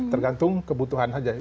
tergantung kebutuhan saja